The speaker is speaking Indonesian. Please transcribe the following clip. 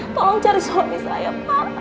tolong cari suami saya